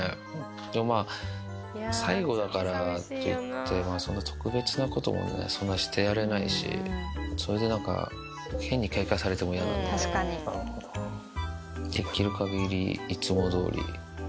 でもまあ、最後だからといって、そんな特別なこともね、そんなしてやれないし、それでなんか変に警戒されても嫌なんで、できるかぎりいつもどおり。